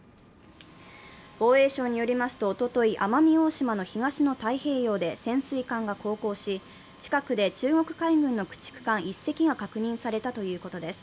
防衛省によりますと、おととい奄美大島の東の太平洋で潜水艦が航行し、近くで中国海軍の駆逐艦１隻が確認されたということです。